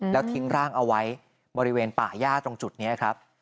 แล้วทิ้งร่างเอาไว้บริเวณป่าย่าตรงจุดนี้ครับ